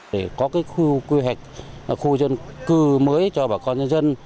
để có khu quy hoạch khu dân cư mới cho bà con nhân dân